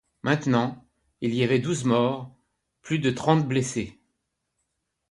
Maintenant, il y avait douze morts, plus de trente blessés.